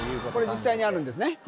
これ実際にあるんですね